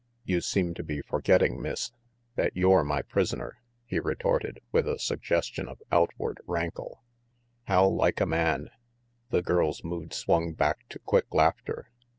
"You seem to be forgetting, Miss, that you're my prisoner," he retorted, with a suggestion of outward rankle. "How like a man!" The girl's mood swung back to quick laughter.